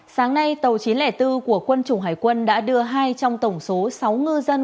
sáng nay tàu chín trăm linh bốn của quân chủng hải quân đã đưa hai trong tổng số sáu ngư dân